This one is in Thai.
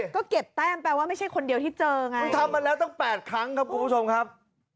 ก็เก็บแต้มแปลว่าไม่ใช่คนเดียวที่เจอไงคุณทำมาแล้วตั้ง๘ครั้งครับคุณผู้ชมครับ